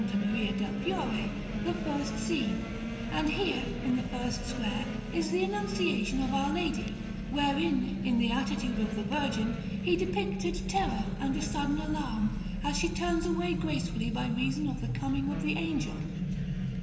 Maria del Fiore, the first scene; and here, in the first square, is the Annunciation of Our Lady, wherein, in the attitude of the Virgin, he depicted terror and a sudden alarm, as she turns away gracefully by reason of the coming of the Angel.